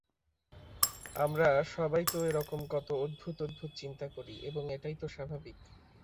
আমরা সবাই তো এরকম কত অদ্ভুত অদ্ভুত চিন্তা করি, এবং এটাই তো স্বাভাবিক।